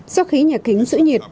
do khí nhà kính giữ nhiệt